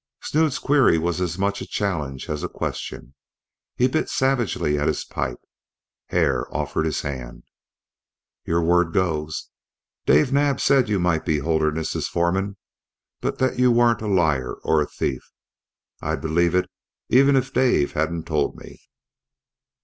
Snood's query was as much a challenge as a question. He bit savagely at his pipe. Hare offered his hand. "Your word goes. Dave Naab said you might be Holderness's foreman, but you weren't a liar or a thief. I'd believe it even if Dave hadn't told me."